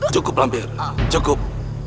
cukup lampir cukup